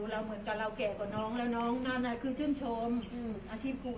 เราเหมือนกับเราแก่กว่าน้องแล้วน้องนั่นคือชื่นชมอาชีพครู